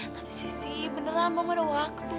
tapi sisi beneran mau ada waktu